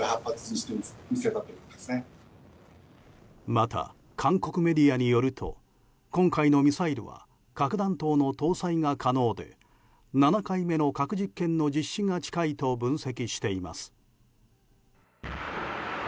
また、韓国メディアによると今回のミサイルは核弾頭の搭載が可能で７回目の核実験の実施が近いと分析しています。